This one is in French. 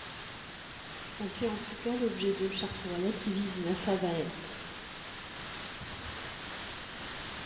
Elle fait en tout cas l'objet d'une charte royale qui vise neuf abbayes.